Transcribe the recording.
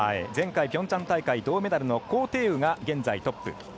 前回ピョンチャン大会銅メダルの高亭宇が現在、トップ。